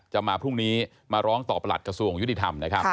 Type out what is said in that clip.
จะมาพรุ่งนี้มาร้องต่อประหลัดกระทรวงยุติธรรมนะครับ